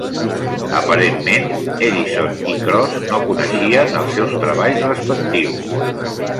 Aparentment Edison i Cros no coneixien els seus treballs respectius.